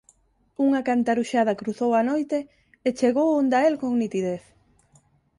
Unha cantaruxada cruzou a noite e chegou onda el con nitidez.